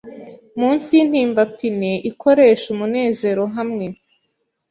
Munsi yintimbapine Ikoresha umunezero hamwe